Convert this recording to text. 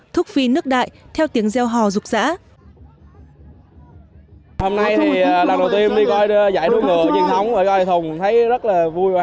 thúc phi nước đại theo tiếng reo hò rục rã